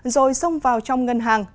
rồi xông vào trong ngân hàng